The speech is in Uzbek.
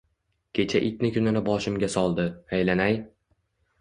Kecha itni kunini boshimga soldi, aylanay!